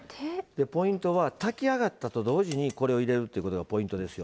ポイントは炊き上がったと同時にこれを入れるということがポイントですよ。